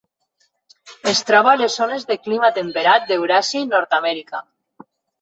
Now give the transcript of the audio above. Es troba a les zones de clima temperat d'Euràsia i Nord-amèrica.